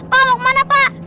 pak mau kemana pak